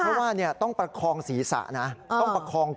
เพราะว่าต้องประคองศีรษะนะต้องประคองก่อน